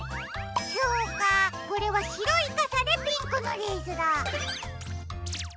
そうかこれはしろいかさでピンクのレースだ。